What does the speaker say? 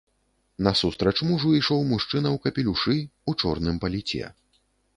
Насустрач мужу ішоў мужчына ў капелюшы, у чорным паліце.